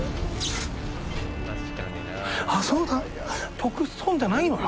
得、損じゃないのよ。